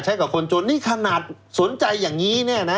กับคนจนนี่ขนาดสนใจอย่างนี้เนี่ยนะ